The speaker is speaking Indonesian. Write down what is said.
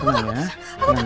tenang ya tenang ya